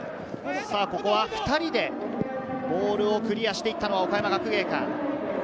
ここは２人でボールをクリアしていったのは岡山学芸館。